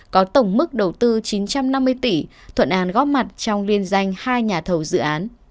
có tổng mức đầu tư chín trăm năm mươi tỷ thuận an góp mặt trong liên danh hai nhà thầu dự án